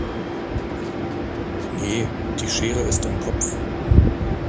Nee, die Schere ist im Kopf.